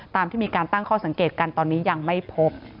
ที่มีการตั้งข้อสังเกตกันตอนนี้ยังไม่พบ